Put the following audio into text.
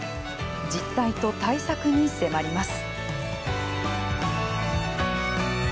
実態と対策に迫ります。